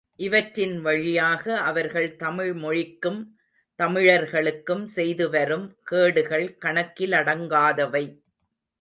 இவற்றின் வழியாக அவர்கள் தமிழ் மொழிக்கும் தமிழர்க்கும் செய்துவரும் கேடுகள் கணக்கிலடங்காதவை.